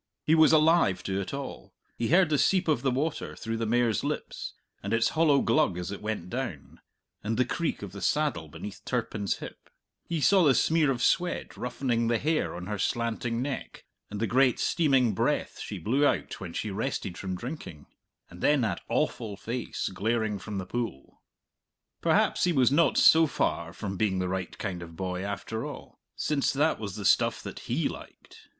He was alive to it all; he heard the seep of the water through the mare's lips, and its hollow glug as it went down, and the creak of the saddle beneath Turpin's hip; he saw the smear of sweat roughening the hair on her slanting neck, and the great steaming breath she blew out when she rested from drinking, and then that awful face glaring from the pool. Perhaps he was not so far from being the right kind of boy, after all, since that was the stuff that he liked.